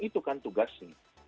itu kan tugasnya